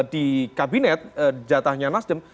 di kabinet jatahnya nasdem